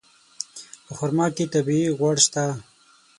په خرما کې طبیعي غوړ شته.